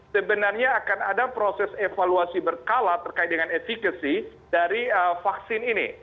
sebenarnya akan ada proses evaluasi berkala terkait dengan efekasi dari vaksin ini